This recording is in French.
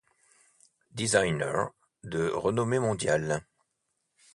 Designer de renommée mondiale.